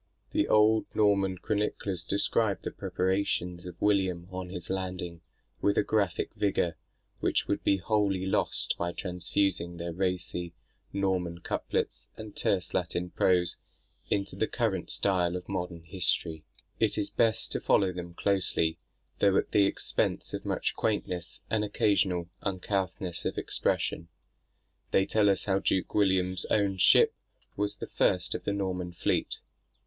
The old Norman chroniclers describe the preparations of William on his landing, with a graphic vigour, which would be wholly lost by transfusing their racy Norman couplets and terse Latin prose into the current style of modern history. It is best to follow them closely, though at the expense of much quaintness and occasional uncouthness of expression. They tell us how Duke William's own ship was the first of the Norman fleet.